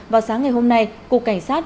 vào sáng ngày hôm nay cục cảnh sát